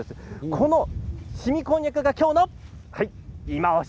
この、しみこんにゃくが今日のいまオシ！